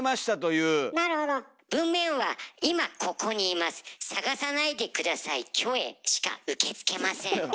文面は「今ここにいます探さないでくださいキョエ」しか受け付けません。